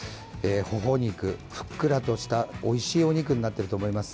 ほほ肉、ふっくらとしたおいしいお肉になってると思います。